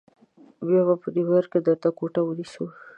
بیا به نیویارک کې درته کوټه ونیسو.